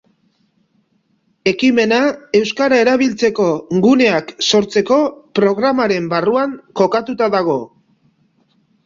Ekimena euskara erabiltzeko guneak sortzeko programaren barruan kokatuta dago.